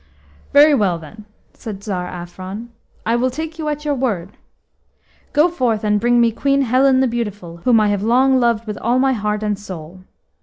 "Very well, then," said Tsar Afron, "I will take you at your word. Go forth and bring me Queen Helen the Beautiful, whom I have long loved with all my heart and soul.